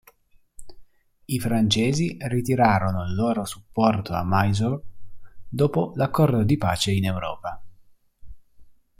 I francesi ritirarono il loro supporto a Mysore dopo l'accordo di pace in Europa.